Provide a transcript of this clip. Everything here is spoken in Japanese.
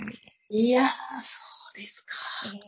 いやそうですか。